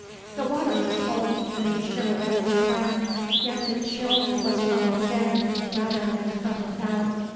The water was cold, and he shivered as he swam; yet the chill was from within rather than from without.